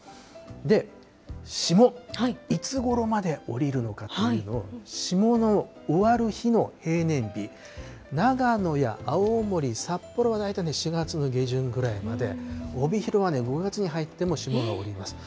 で、霜、いつごろまで降りるのかというのを、霜の終わる日の平年日、長野や青森、札幌は大体４月の下旬ぐらいまで、帯広は５月に入っても霜が降ります。